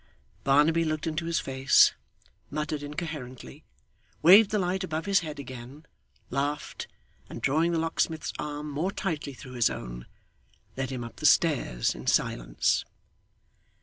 Barnaby looked into his face, muttered incoherently, waved the light above his head again, laughed, and drawing the locksmith's arm more tightly through his own, led him up the stairs in silence.